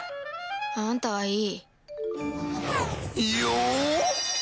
あんたはいい